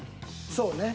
そうね。